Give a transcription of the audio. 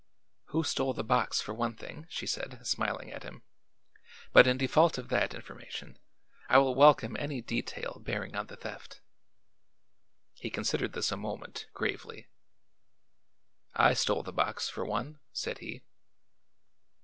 "Who stole the box, for one thing," she said, smiling at him. "But in default of that information I will welcome any detail bearing on the theft." He considered this a moment, gravely. "I stole the box, for one," said he.